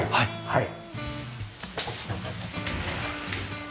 はい。